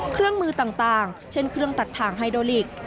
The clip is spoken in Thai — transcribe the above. เครื่องมือต่างเช่นเครื่องตัดทางไฮโดลิก